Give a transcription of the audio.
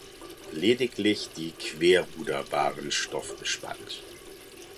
Lediglich die Querruder waren stoffbespannt.